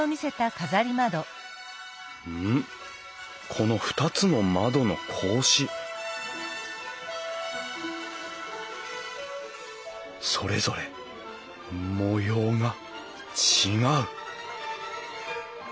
この２つの窓の格子それぞれ模様が違う